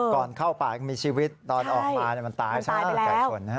ก่อนเข้าปากมีชีวิตตอนออกมามันตายช่างกายคน